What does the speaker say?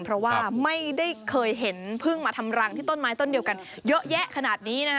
เพราะว่าไม่ได้เคยเห็นพึ่งมาทำรังที่ต้นไม้ต้นเดียวกันเยอะแยะขนาดนี้นะคะ